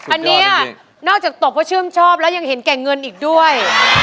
อันนี้นอกจากตบว่าชื่นชอบแล้วยังเห็นแก่เงินอีกด้วย